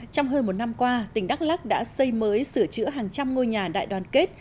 trong hơn một năm qua tỉnh đắk lắc đã xây mới sửa chữa hàng trăm ngôi nhà đại đoàn kết